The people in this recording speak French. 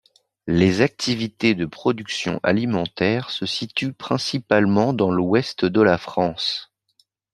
Les activités de production alimentaires se situent principalement dans l'Ouest de la France.